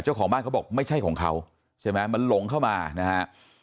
เจ้าของบ้านเขาบอกไม่ใช่ของเขาใช่ไหมมันหลงเข้ามานะฮะ